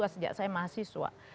sejak saya mahasiswa